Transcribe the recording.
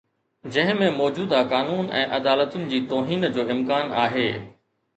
جنهن ۾ موجوده قانون ۽ عدالتن جي توهين جو امڪان آهي